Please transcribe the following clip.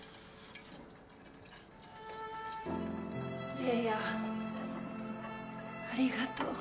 玲矢ありがとう。